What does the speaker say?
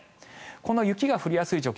この雪が降りやすい状況